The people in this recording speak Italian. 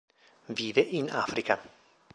Vive in Africa.